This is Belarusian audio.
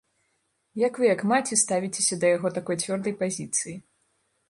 Як вы, як маці, ставіцеся да яго такой цвёрдай пазіцыі?